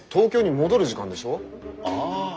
ああ。